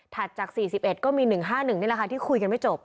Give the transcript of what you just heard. ถัดจาก๔๑ก็มี๑๕๑ในราคาที่คุยกันไม่จบ